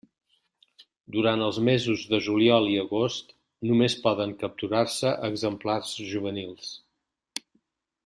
Durant els mesos de juliol i agost només poden capturar-se exemplars juvenils.